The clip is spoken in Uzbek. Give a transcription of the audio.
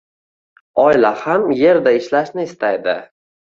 oila ham yerda ishlashni istaydi